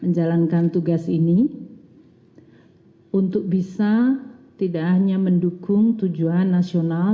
menjalankan tugas ini untuk bisa tidak hanya mendukung tujuan nasional